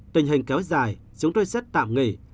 tình hình kéo dài chúng tôi sẽ tạm nghỉ